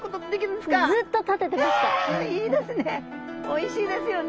いいですね。